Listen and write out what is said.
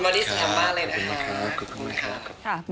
ท่านครับคุณนะครับ